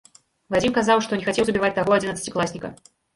Вадзім казаў, што не хацеў забіваць таго адзінаццацікласніка.